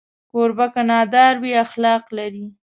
کوربه که نادار وي، اخلاق لري.